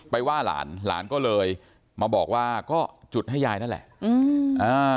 ว่าหลานหลานก็เลยมาบอกว่าก็จุดให้ยายนั่นแหละอืมอ่า